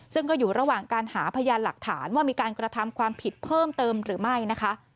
ซึ่งก็อยู่ระหว่างการหาพยานหลักฐานว่ามีการกระทำความผิดเพิ่มเติมหรือไม่นะคะ